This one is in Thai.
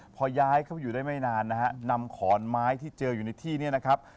พอย้ายเข้าไปอยู่ได้ไม่นานนะฮะนำขอนไม้ที่เจออยู่ในที่เนี่ยนะครับ